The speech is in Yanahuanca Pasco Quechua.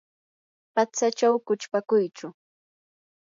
patsachaw quchpakuychu.